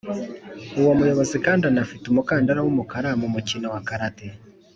uwo muyobozi kandi anafite umukandara w’umukara mu mukino wa karate